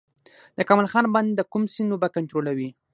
د کمال خان بند د کوم سیند اوبه کنټرولوي؟